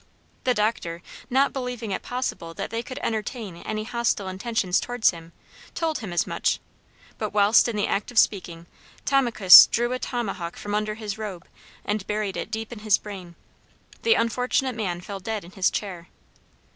The doctor, not believing it possible that they could entertain any hostile intentions towards him, told him as much; but whilst in the act of speaking, To ma kus drew a tomahawk from under his robe and buried it deep in his brain. The unfortunate man fell dead in his chair.